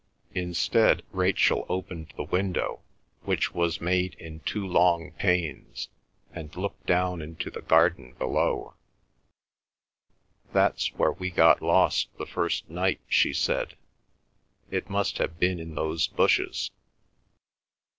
Instead Rachel opened the window, which was made in two long panes, and looked down into the garden below. "That's where we got lost the first night," she said. "It must have been in those bushes."